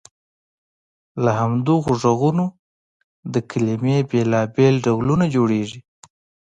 له همدغو غږونو د کلمې بېلابېل ډولونه جوړیږي.